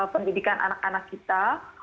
pendidikan anak anak kita